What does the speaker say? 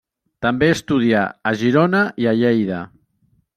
També estudià a Girona i a Lleida.